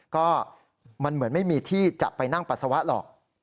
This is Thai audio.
ก็มันเหมือนไม่มีที่จะไปนั่งปัสสาวะหรอก